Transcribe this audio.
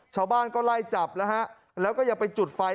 ชาวบ้านก็ไล่จับแล้วฮะแล้วก็ยังไปจุดไฟ